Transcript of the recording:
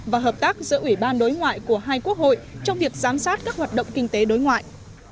và hợp tác giữa ủy ban đối ngoại của hai quốc hội trong việc giám sát các hoạt động kinh tế đối ngoại